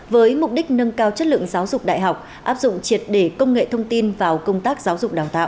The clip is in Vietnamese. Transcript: với mục đích nâng cao chất lượng giáo dục đại học áp dụng triệt để công nghệ thông tin vào công tác giáo dục đào tạo